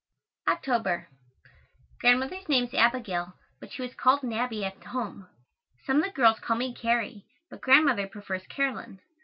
October. Grandmother's name is Abigail, but she was always called "Nabby" at home. Some of the girls call me "Carrie," but Grandmother prefers "Caroline."